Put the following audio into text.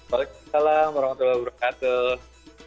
waalaikumsalam warahmatullahi wabarakatuh